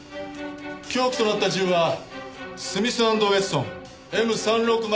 凶器となった銃はスミス＆ウェッソンＭ３６０